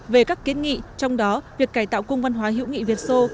về các kiến nghị trong đó việc cải tạo cung văn hóa hữu nghị việt sô